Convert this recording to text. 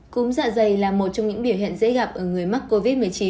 cúm dạ dày là một trong những biểu hiện dễ gặp ở người mắc covid một mươi chín